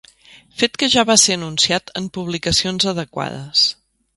Fet que ja va ser anunciat en publicacions adequades.